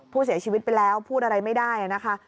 ผู้เสียชีวิตไปแล้วพูดอะไรไม่ได้นะคะ